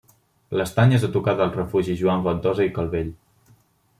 L'estany és a tocar del refugi Joan Ventosa i Calvell.